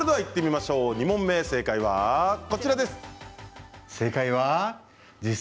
２問目の正解はこちらです。